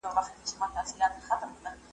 دلته هلته به هوسۍ وې څرېدلې `